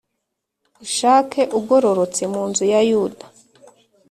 ushake ugororotse mu nzu ya Yuda